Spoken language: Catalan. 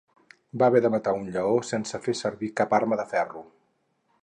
Va haver de matar un lleó sense fer servir cap arma de ferro.